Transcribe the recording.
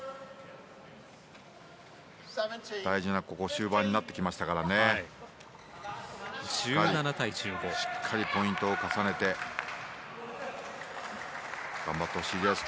大事な終盤になってきましたのでしっかりポイントを重ねて頑張ってほしいです。